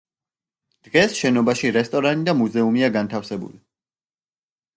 დღეს შენობაში რესტორანი და მუზეუმია განთავსებული.